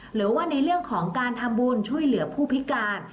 หรือว่าในเรื่องของการทำบุญช่วยเหลือผู้พิการ